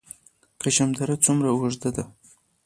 کشم دره څومره اوږده ده؟